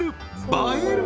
映える！